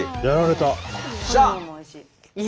おいしい。